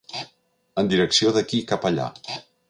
En direcció d'aquí cap allà.